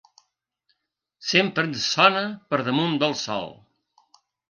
Sempre ens sona per damunt del sol.